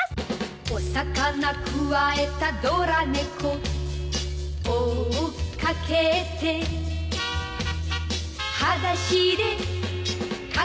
「お魚くわえたドラ猫」「追っかけて」「はだしでかけてく」